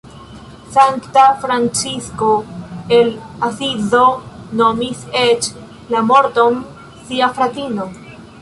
Sankta Francisko el Asizo nomis eĉ la morton "sia fratino".